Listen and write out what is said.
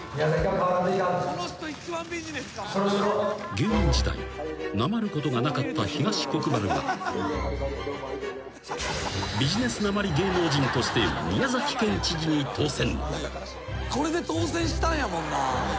［芸能時代なまることがなかった東国原がビジネスなまり芸能人として宮崎県知事に当選］